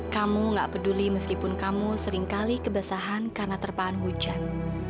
kamu gak peduli meskipun kamu seringkali kebesahan karena terpahan hujan